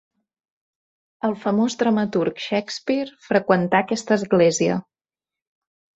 El famós dramaturg Shakespeare freqüentà aquesta església.